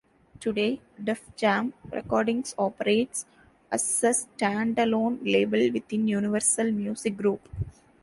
Today, Def Jam Recordings operates as a stand-alone label within Universal Music Group.